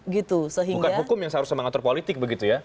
bukan hukum yang seharusnya mengatur politik begitu ya